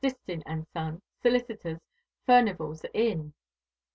Distin & Son, Solicitors, Furnival's Inn."